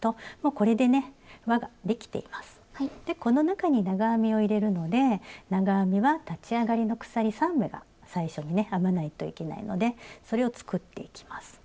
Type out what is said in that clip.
でこの中に長編みを入れるので長編みは立ち上がりの鎖３目が最初にね編まないといけないのでそれを作っていきます。